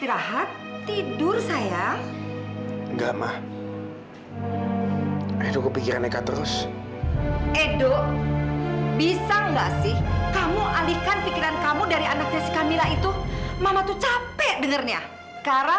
itu karena di bawah sadarnya dia merindukan ayahnya